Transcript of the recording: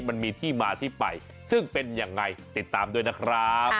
มันมีที่มาที่ไปซึ่งเป็นยังไงติดตามด้วยนะครับ